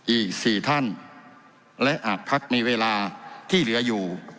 อีก๔ท่านและหากพักในเวลาที่เหลืออยู่